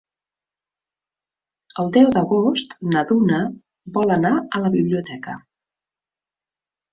El deu d'agost na Duna vol anar a la biblioteca.